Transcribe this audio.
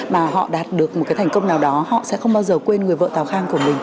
mà họ đạt được một cái thành công nào đó họ sẽ không bao giờ quên người vợ tàu khang của mình